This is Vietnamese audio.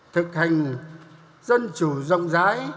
thực hành dân chủ rộng rãi